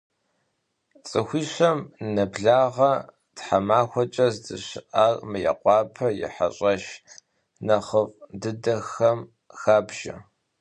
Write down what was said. Цӏыхуищэм нэблагъэ тхьэмахуэкӏэ здэщыӏар Мейкъуапэ и хьэщӏэщ нэхъыфӏ дыдэхэм хабжэ.